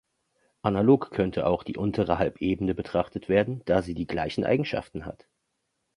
Analog könnte auch die untere Halbebene betrachtet werden, da sie die gleichen Eigenschaften hat.